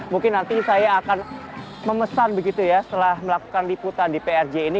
mungkin nanti saya akan memesan begitu ya setelah melakukan liputan di prj ini